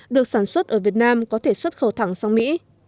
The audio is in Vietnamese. được sản xuất ở việt nam có thể xuất khẩu thẳng sang mỹ